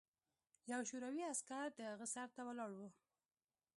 یو شوروي عسکر د هغه سر ته ولاړ و